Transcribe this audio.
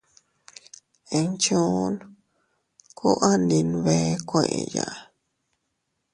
Inchuun kuu andi nbee kueʼeya.